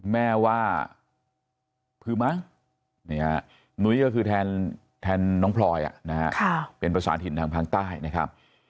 แม่ว่าคือมั้งนุ้ยก็คือแทนน้องพลอยเป็นภาษาถิ่นทางภาคใต้นะครับ